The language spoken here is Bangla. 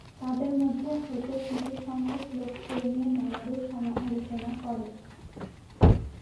তাদের মধ্য হতে কিছু সংখ্যক লোক এ নিয়ে নানারূপ সমালোচনা করে।